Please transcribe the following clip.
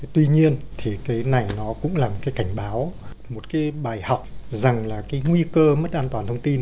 tuy nhiên thì cái này nó cũng là một cái cảnh báo một cái bài học rằng là cái nguy cơ mất an toàn thông tin